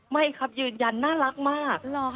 ไม่ครับยืนยันน่ารักมาก